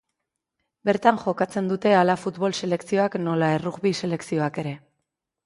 Bertan jokatzen dute hala futbol selekzioak nola errugbi selekzioak ere.